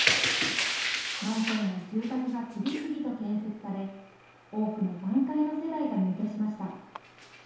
マンションや住宅が次々と建設され、多くの団塊の世代が入居しました。